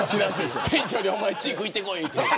店長にチークいってこいって。